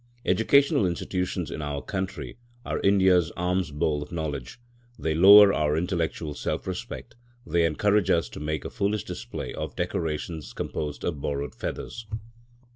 Educational institutions in our country are India's alms bowl of knowledge; they lower our intellectual self respect; they encourage us to make a foolish display of decorations composed of borrowed feathers.